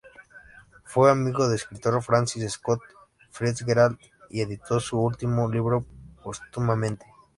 Fue amigo del escritor Francis Scott Fitzgerald y editó su último libro póstumamente.